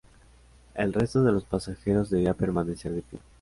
El resto de los pasajeros debía permanecer de pie.